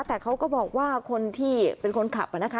แต่เขาก็บอกว่าคนที่เป็นคนขับนะคะ